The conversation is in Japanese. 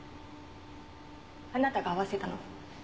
あなたが会わせたの？